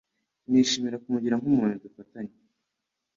Nishimira kumugira nk'umuntu dufatanya